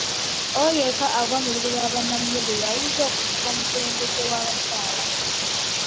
Oyo yekka agwa mu lubu lwa ba Namuyonjo y’ayinza okufuuka omukulembeze w’Abanyala.